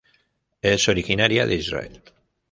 Es originaria de Israel.